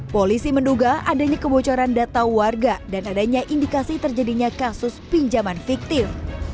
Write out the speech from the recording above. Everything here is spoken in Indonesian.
polisi menduga adanya kebocoran data warga dan adanya indikasi terjadinya kasus pinjaman fiktif